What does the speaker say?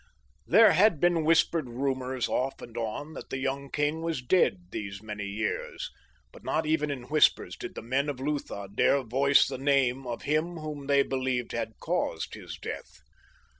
There had been whispered rumors off and on that the young king was dead these many years, but not even in whispers did the men of Lutha dare voice the name of him whom they believed had caused his death.